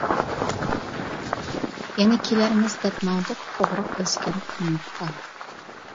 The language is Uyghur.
يەنە كېلەرمىز دەپ ماڭدۇق، توغراق ئۆسكەن قۇملۇققا.